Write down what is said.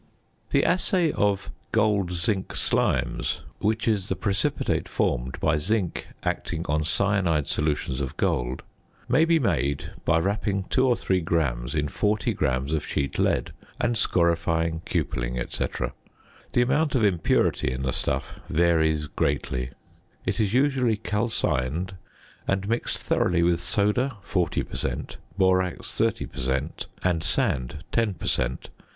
The assay of gold zinc slimes, which is the precipitate formed by zinc acting on cyanide solutions of gold, may be made by wrapping 2 or 3 grams in 40 grams of sheet lead and scorifying, cupelling, &c. The amount of impurity in the stuff varies greatly; it is usually calcined and mixed thoroughly with soda 40 per cent., borax 30 per cent., and sand 10 per cent.